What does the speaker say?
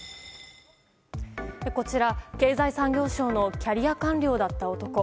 こちら、経済産業省のキャリア官僚だった男。